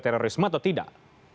terorisme atau tidak